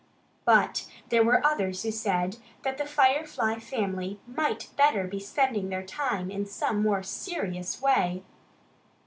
But there were others who said that the Firefly family might better be spending their time in some more serious way.